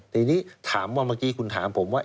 ทีนี้ถามว่าเมื่อกี้คุณถามผมว่า